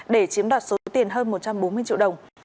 để chiếm đoạt số tiền hơn một trăm bốn mươi triệu đồng